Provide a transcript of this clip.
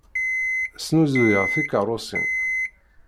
Snuzuyeɣ tikeṛṛusin.